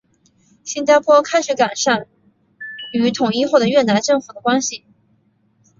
新加坡开始改善与统一后的越南政府的关系。